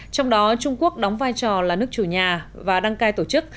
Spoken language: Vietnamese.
trong đó trung quốc đóng vai trò là nước chủ nhà và đăng cai tổ chức